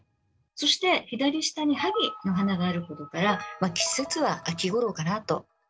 そして左下に萩の花があることから季節は秋ごろかなと。